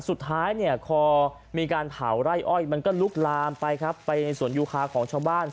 จุดท้ายถัวไฟไซบินการเผาไล่อ้อยมันก็ลุกลามไปไปในสวนยูขา